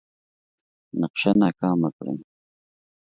نقشه ناکامه کړي.